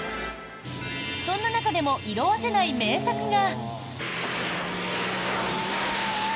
そんな中でも色あせない名作が。